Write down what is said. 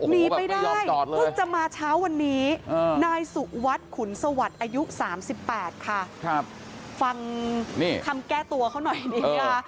หนีไปได้เพิ่งจะมาเช้าวันนี้นายสุวัสดิ์ขุนสวัสดิ์อายุ๓๘ค่ะฟังคำแก้ตัวเขาหน่อยดีค่ะ